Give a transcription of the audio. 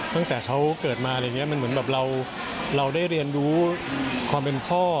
ตั้งแต่เขาเกิดมามันเหมือนเราได้เรียนรู้ความเป็นพ่อ